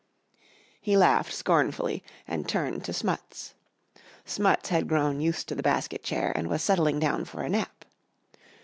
He laughed scornfully and turned to Smuts. Smuts had grown used to the basket chair and was settling down for a nap.